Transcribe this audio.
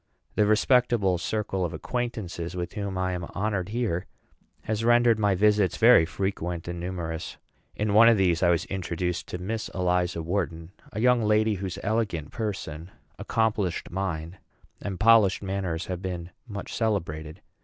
The respectable circle of acquaintances with which I am honored here has rendered my visits very frequent and numerous. In one of these I was introduced to Miss Eliza Wharton a young lady whose elegant person, accomplished mind, and polished manners have been much celebrated.